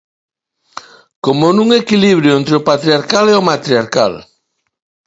Como nun equilibrio entre o patriarcal e o matriarcal.